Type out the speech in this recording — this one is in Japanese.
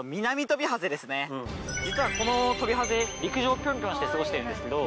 実はこのトビハゼ陸上をピョンピョンして過ごしてるんですけど。